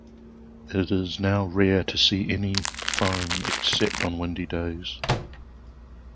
It is now rare to see any foam except on windy days.